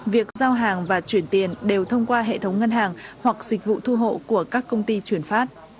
việc giao hàng và chuyển tiền đều thông qua hệ thống ngân hàng hoặc dịch vụ thu hộ của các công ty chuyển phát